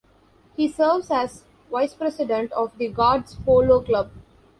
He serves as Vice President of the Guards Polo Club.